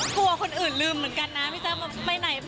กลัวคนอื่นลืมเหมือนกันนะพี่แจ๊คไปไหน